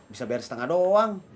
bisa bayar setengah doang